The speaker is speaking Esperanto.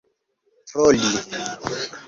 troli